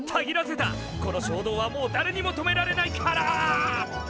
この衝動はもうだれにも止められないから！